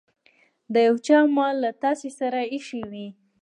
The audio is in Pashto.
د يو چا مال له تاسې سره ايښی وي.